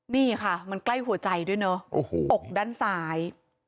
นี่ค่ะมันใกล้หัวใจด้วยเนอะโอ้โหอกด้านซ้าย